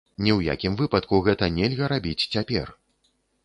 Ні ў якім выпадку гэта нельга рабіць цяпер.